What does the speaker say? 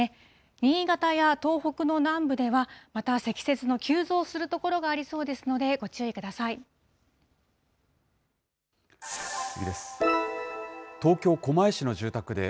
新潟や東北の南部では、また積雪の急増する所がありそうですので、次です。